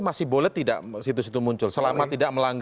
masih boleh tidak situs itu muncul